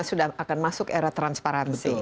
sudah akan masuk era transparansi